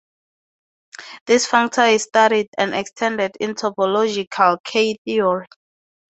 This functor is studied and extended in topological K-theory.